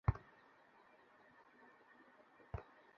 সূর্য ক্রমে নিচে নামছিল।